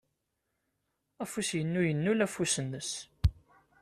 Afus-inu yennul afus-nnes.